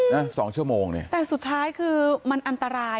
นะสองชั่วโมงเนี่ยแต่สุดท้ายคือมันอันตราย